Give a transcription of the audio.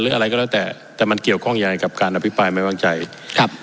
อะไรก็แล้วแต่แต่มันเกี่ยวข้องยังไงกับการอภิปรายไม่วางใจครับ